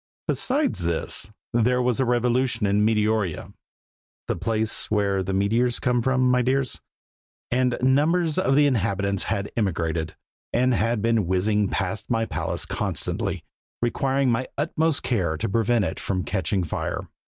Besides this, there was a revolution in Meteoria (the place where the meteors come from, my dears), and numbers of the inhabitants had emigrated, and had been whizzing past my palace constantly, requiring my utmost care to prevent it from catching fire.